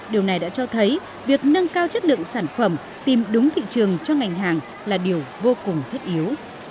điều này đã cho thấy việc nâng cao chất lượng sản phẩm tìm đúng thị trường cho ngành hàng là điều vô cùng thiết yếu